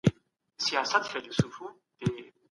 افغانستان د سیمه ییزو شخړو د رامنځته کيدو ملاتړ نه کوي.